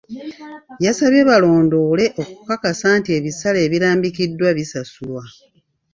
Yabasabye balondoole okukakasa nti ebisale ebirambikiddwa bisasulwa.